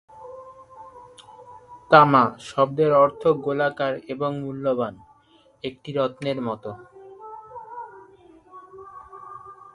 "তামা" শব্দের অর্থ " গোলাকার এবং মূল্যবান", একটি রত্নের মত।